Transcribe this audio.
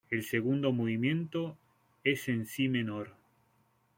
El segundo movimiento es en si menor.